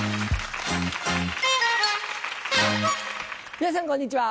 皆さんこんにちは。